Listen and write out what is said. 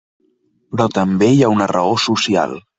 Però també hi ha una raó social.